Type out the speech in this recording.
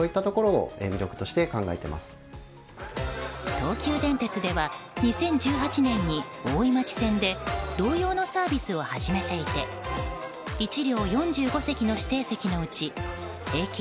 東急電鉄では２０１８年に大井町線で同様のサービスを始めていて１両４５席の指定席のうち平均